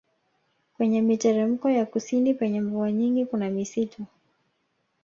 Kwenye miteremko ya kusini penye mvua nyingi kuna misitu